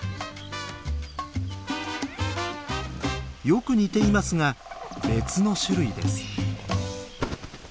よく似ていますが別の種類です。